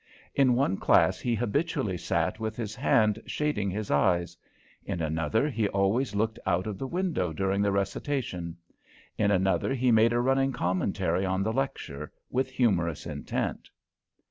In one class he habitually sat with his hand shading his eyes; in another he always looked out of the window during the recitation; in another he made a running commentary on the lecture, with humorous intent.